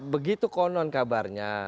begitu konon kabarnya